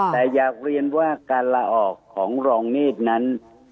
แต่อยากเรียนว่าการลาออกของรองเนธนั้น